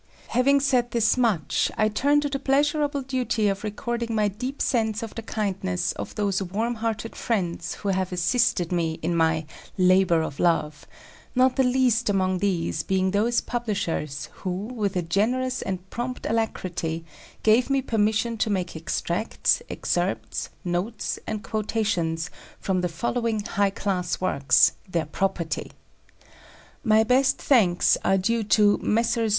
Having said this much, I turn to the pleasurable duty of recording my deep sense of the kindness of those warm hearted friends who have assisted me in "my labour of love," not the least among these being those publishers, who, with a generous and prompt alacrity, gave me permission to make extracts, excerpts, notes, and quotations from the following high class works, their property. My best thanks are due to Messrs.